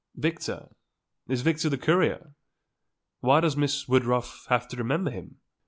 "Victor? Is Victor the courier? Why does Miss Woodruff have to remember him?"